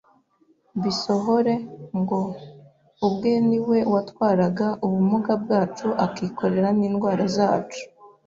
bisohore, ngo: Ubwe ni we watwaraga ubumuga bwacu akikorera n’indwara zacu